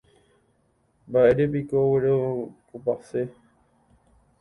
Mba'érepiko oguerekopase.